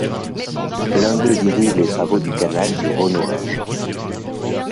L'un d'eux dirige les travaux du Canal du Rhône au Rhin.